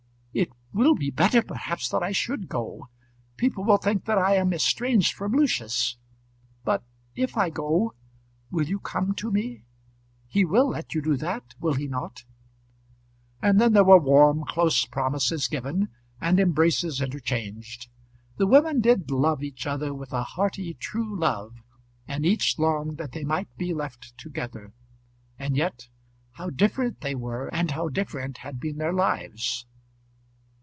"It will be better perhaps that I should go. People will think that I am estranged from Lucius. But if I go, you will come to me? He will let you do that; will he not?" And then there were warm, close promises given, and embraces interchanged. The women did love each other with a hearty, true love, and each longed that they might be left together. And yet how different they were, and how different had been their lives!